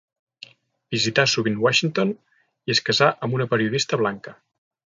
Visità sovint Washington i es casà amb una periodista blanca.